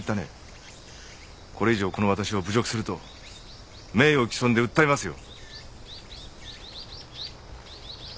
これ以上この私を侮辱すると名誉毀損で訴えますよ。